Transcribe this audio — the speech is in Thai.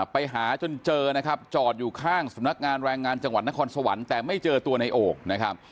ไปหาจนเจอนะครับจอดอยู่ข้างสำนักงานแรงงานจังหวัดนครสวรรค์แต่ไม่เจอตัวในโอ่งนะครับ